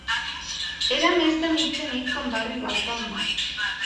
Era més de mitjanit quan va arribar al Palmar.